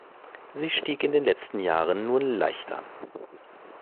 Sie stieg in den letzten Jahren nur leicht an.